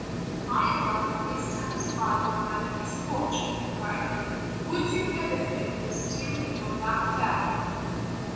"I am rather dissatisfied with my misfortune," cried he; "would to heaven that you were still in your black tower!"